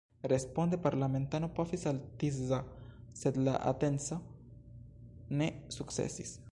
Responde parlamentano pafis al Tisza, sed la atenco ne sukcesis.